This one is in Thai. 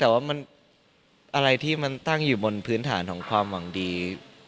แต่ว่ามันอะไรที่มันตั้งอยู่บนพื้นฐานของความหวังดี